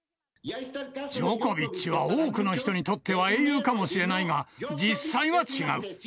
ジョコビッチは多くの人にとっては英雄かもしれないが、実際は違う。